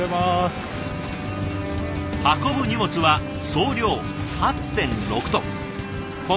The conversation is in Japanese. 運ぶ荷物は総量８．６トン。